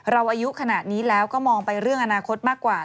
อายุขนาดนี้แล้วก็มองไปเรื่องอนาคตมากกว่า